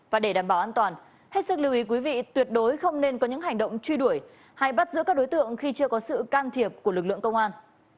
và để đảm bảo an toàn hết sức lưu ý quý vị tuyệt đối không nên có những hành động truy đuổi hay bắt giữ các đối tượng khi chưa có sự can thiệp của lực lượng công an